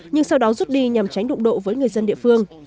nhưng sau đó rút đi nhằm tránh đụng độ với người dân địa phương